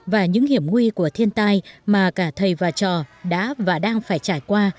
và những hiểm nguy của thiên tai mà cả thầy và trò đã và đang phải trải qua